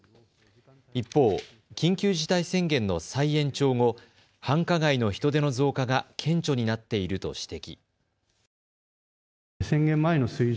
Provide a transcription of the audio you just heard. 一方、緊急事態宣言の再延長後、繁華街の人出の増加が顕著になっていると指摘。